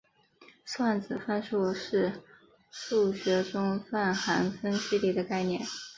算子范数是数学中泛函分析里的概念。